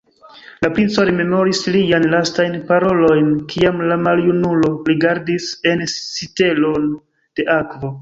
La princo rememoris liajn lastajn parolojn, kiam la maljunulo, rigardis en sitelon da akvo